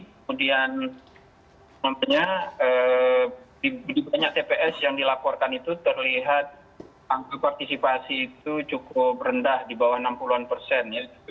kemudian di banyak tps yang dilaporkan itu terlihat angka partisipasi itu cukup rendah di bawah enam puluh an persen